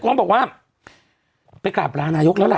ขุนเซศกรณ์บอกว่าไปกล่าบร้านายกแล้วล่ะ